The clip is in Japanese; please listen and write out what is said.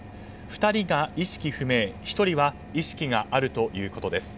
２人が意識不明１人は意識があるということです。